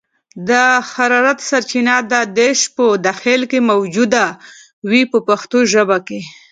د حرارت سرچینه د داش په داخل کې موجوده وي په پښتو ژبه.